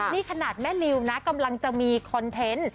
นี่ขนาดแม่นิวนะกำลังจะมีคอนเทนต์